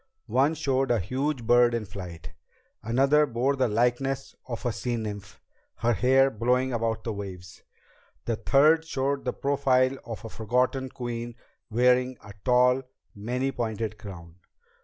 One showed a huge bird in flight. Another bore the likeness of a sea nymph, her hair blowing above the waves. A third showed the profile of a forgotten queen wearing a tall, many pointed crown.